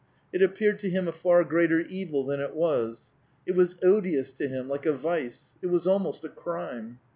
It appeared to him a far greater evil than it was; it was odious to him, like a vice; it was almost a crime.